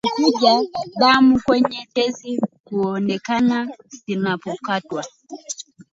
Kuvuja damu kwenye tezi huonekana zinapokatwa